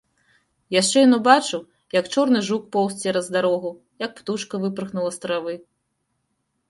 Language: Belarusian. Яшчэ ён убачыў, як чорны жук поўз цераз дарогу, як птушка выпырхнула з травы.